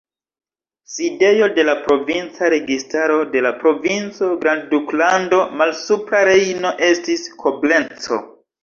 Sidejo de la provinca registaro de la provinco Grandduklando Malsupra Rejno estis Koblenco.